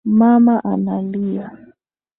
Mama analia